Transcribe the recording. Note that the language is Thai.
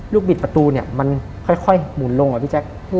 ลูกบิดประตูเนี่ยมันค่อยหมุนลงอะพี่แจ็ค